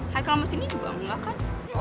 hai kelamas ini juga nggak kan